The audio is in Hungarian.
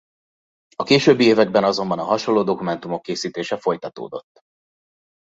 A későbbi években azonban a hasonló dokumentumok készítése folytatódott.